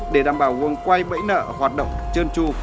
để đảm bảo vùng quay bẫy nợ hoạt động chơn chu